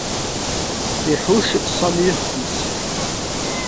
Ihucc Sami ixef-is.